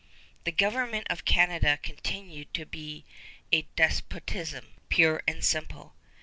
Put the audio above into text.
The government of Canada continued to be a despotism, pure and simple.